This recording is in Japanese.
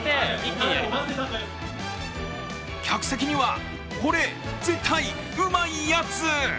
客席には、これ・絶対・うまいやつ！